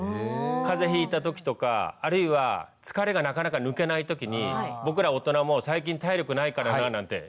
風邪ひいた時とかあるいは疲れがなかなか抜けない時に僕ら大人も「最近体力ないからなぁ」なんて言うと思うんですよね。